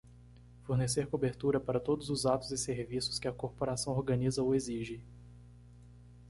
Fornecer cobertura para todos os atos e serviços que a corporação organiza ou exige.